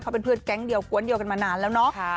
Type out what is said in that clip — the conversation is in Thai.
เขาเป็นเพื่อนแก๊งเดียวกวนเดียวกันมานานแล้วเนาะ